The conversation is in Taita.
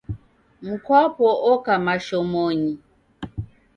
Mkwapo oka mashomonyi.